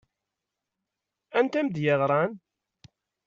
Anta i m-d-yeɣṛan?